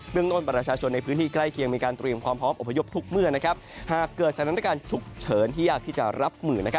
เบื้องโดรนประชาชนในพื้นที่ใกล้เคียงมีการเตรียมความพร้อมอภัยยบทุกเมื่อนะครับ